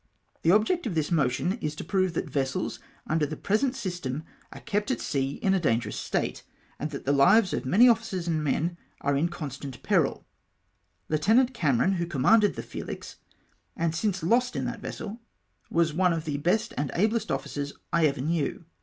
"' The object of this motion is to prove that vessels, under the present system, are kept at sea in a dangerous state, and DETAILS OF ABUSES. 227 that the lives of many officers and men are m constant peril. Lieutenant Cameron, who commanded the Felix, and since lost in that vessel, was one of the best and ablest officers I ever knew.